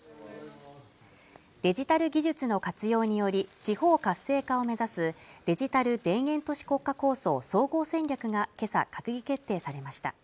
デジタル技術の活用により地方活性化を目指すデジタル田園都市国家構想総合戦略が今朝閣議決定されました